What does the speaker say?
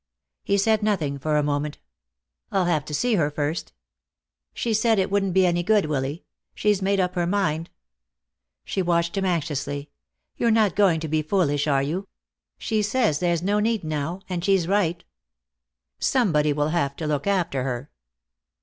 He said nothing for a moment. "I'll have to see her first." "She said it wouldn't be any good, Willy. She's made up her mind." She watched him anxiously. "You're not going to be foolish, are you? She says there's no need now, and she's right." "Somebody will have to look after her."